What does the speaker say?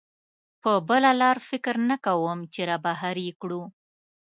په بله لاره فکر نه کوم چې را بهر یې کړو.